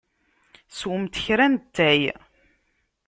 Swemt kra n ttay.